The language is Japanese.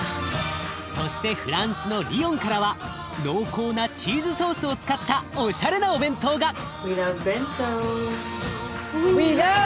そしてフランスのリヨンからは濃厚なチーズソースを使ったおしゃれなお弁当が！